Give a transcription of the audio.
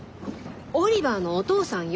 オリバーのお父さんよ。